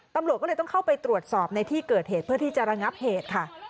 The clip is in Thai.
ตำรวจก็เลยต้องเข้าไปตรวจสอบในที่เกิดเหตุเพื่อที่จะระงับเหตุค่ะ